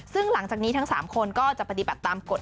ซึ่งหลังจากนี้ทั้ง๓คนก็จะปฏิบัติตามกฎ